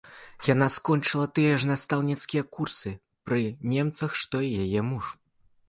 Яна скончыла тыя ж настаўніцкія курсы пры немцах, што і яе муж.